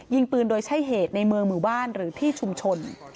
ยิงปืนโดยใช้เหตุในเมืองหมู่บ้านหรือที่ชุมชน